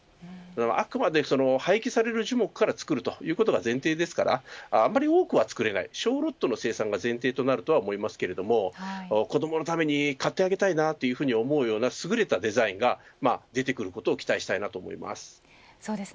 あくまで廃棄される樹木から作ることが前提ですからあまり多くは作れない小ロットの生産が前提になりますが子どものために買ってあげたいなというようなすぐれたデザインが出てくることを期待したいです。